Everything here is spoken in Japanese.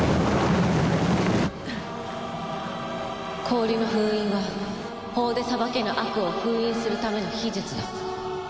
氷の封印は法で裁けぬ悪を封印するための秘術だ。